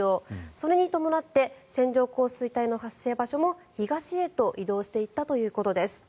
それに伴って線状降水帯の発生場所も東へと移動していったということです。